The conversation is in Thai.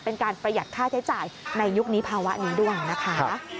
เป็นการประหยัดค่าใช้จ่ายในยุคนี้ภาวะนี้ด้วยนะคะ